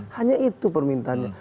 hanya itu permintanya